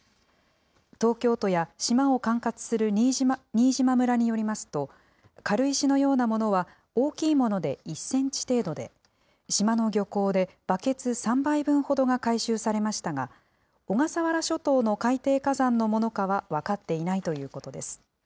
東京都や島を管轄する新島村によりますと、軽石のようなものは、大きいもので１センチ程度で、島の漁港でバケツ３杯分ほどが回収されましたが、小笠原諸島の海底火山のものかは分かっていないということです。